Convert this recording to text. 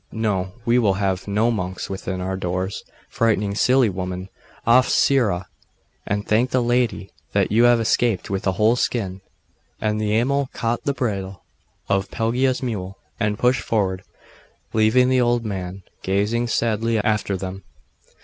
'No, we will have no monks within our doors, frightening silly women. Off, sirrah! and thank the lady that you have escaped with a whole skin.' And the Amal caught the bridle of Pelagia's mule, and pushed forward, leaving the old man gazing sadly after them.